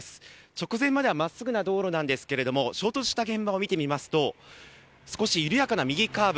直前までは真っすぐな道路なんですが衝突した現場を見てみますと少し緩やかな右カーブ。